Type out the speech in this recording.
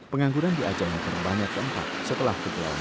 pengangguran di aceh yang terlalu banyak keempat setelah kekeluargaan